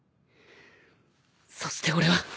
そして俺は。